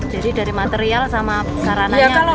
dari material sama sarananya